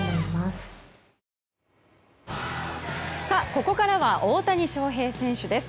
ここからは大谷翔平選手です。